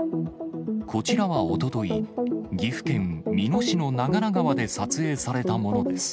こちらはおととい、岐阜県美濃市の長良川で撮影されたものです。